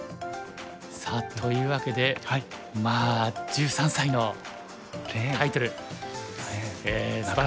さあというわけでまあ１３歳のタイトルすばらしいですね。